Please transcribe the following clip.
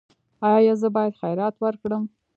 ایا زه باید خیرات ورکړم؟